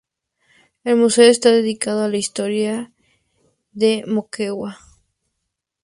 El museo esta dedicado a la historia de Moquegua.